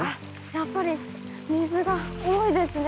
やっぱり水が多いですね。